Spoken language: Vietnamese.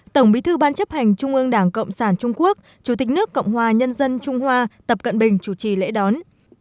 tổng bí thư ban chấp hành trung ương đảng cộng sản trung quốc chủ tịch nước cộng hòa nhân dân trung hoa tập cận bình chủ trì lễ đón